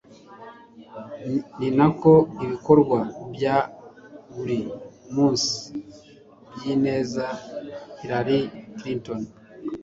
ni nako ibikorwa bya buri munsi byineza.” —Hillary Clinton